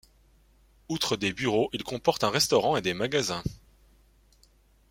Outre des bureaux, il comporte un restaurant et des magasins.